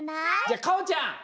じゃあかおちゃん！